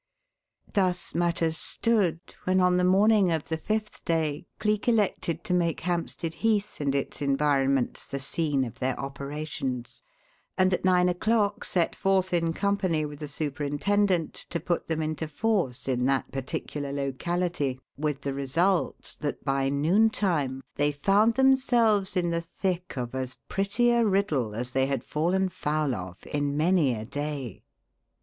Thus matters stood when on the morning of the fifth day Cleek elected to make Hampstead Heath and its environments the scene of their operations, and at nine o'clock set forth in company with the superintendent to put them into force in that particular locality, with the result that by noontime they found themselves in the thick of as pretty a riddle as they had fallen foul of in many a day.